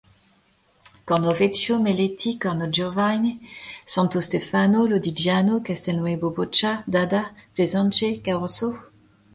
Cornovecchio, Meleti, Corno Giovine, Santo Stefano Lodigiano, Castelnuovo Bocca d'Adda, Plaisance, Caorso.